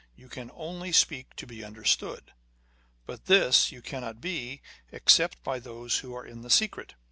You can only speak to be understood, but this you cannot be, except by those who are in the secret.